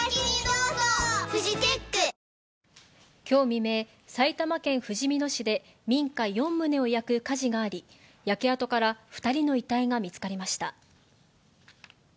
きょう未明、埼玉県ふじみ野市で民家４棟を焼く火事があり、焼け跡から２人の遺体が見つかりました。